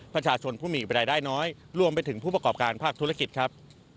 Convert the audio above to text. ประชาชนผู้มีประรายได้น้อยรวมไปถึงผู้ประกอบการภาคธุรกิจครับ